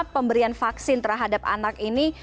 pemberian vaksin terhadap anak ini